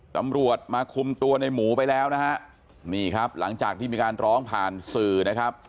ตำรวจมาคุมตัวในหมูไปแล้วนะฮะนี่ครับหลังจากที่มีการร้องผ่านสื่อนะครับ